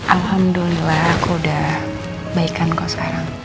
alhamdulillah aku udah baikan kau sekarang